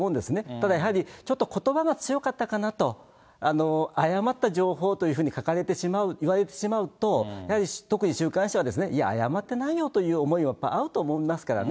ただやはり、ちょっとことばが強かったかなと、誤った情報というふうに言われてしまうと、やはり特に週刊誌は、いや、誤ってないよという思いは、あると思いますからね。